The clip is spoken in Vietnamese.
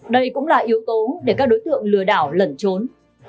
đây cũng là yếu tố để các đối tượng lừa đảo lẩn trốn